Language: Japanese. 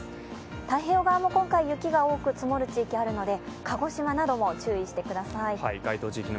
太平洋側も今回、雪が多く積もる地域があるので鹿児島なども注意してください。